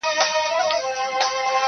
د بوډا وو یو لمسی اته کلن وو-